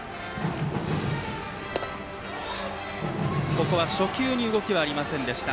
この回は初球で動きはありませんでした。